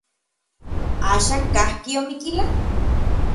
¿Axan kajki Omiquila?